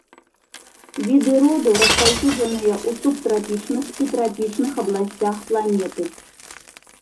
Віды роду распаўсюджаныя ў субтрапічных і трапічных абласцях планеты.